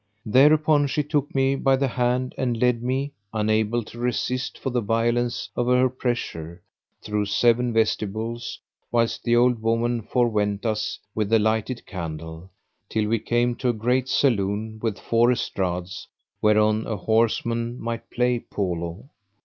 Thereupon she took me by the hand and led me, unable to resist for the violence of her pressure, through seven vestibules, whilst the old woman forewent us with the lighted candle, till we came to a great saloon with four estrades whereon a horseman might play Polo.